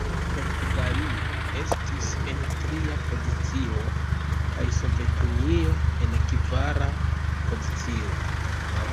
Portugalio estis en tria pozicio, kaj Sovetunio en kvara pozicio.